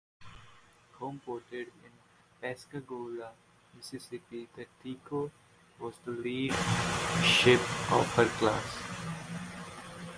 Homeported in Pascagoula, Mississippi, the "Tico" was the lead ship of her class.